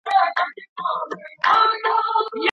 که د ترافیکي څراغونو بریښنا پرې نسي، نو د شپې ټکرونه نه کیږي.